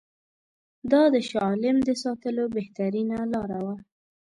دا د شاه عالم د ساتلو بهترینه لاره وه.